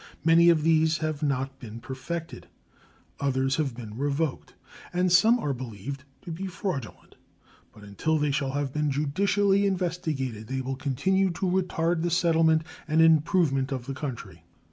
Many of these have not been perfected, others have been revoked, and some are believed to be fraudulent. But until they shall have been judicially investigated they will continue to retard the settlement and improvement of the country.